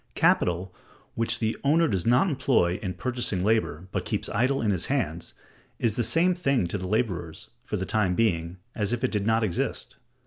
Capital which the owner does not employ in purchasing labor, but keeps idle in his hands, is the same thing to the laborers, for the time being, as if it did not exist.